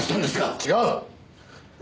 違う！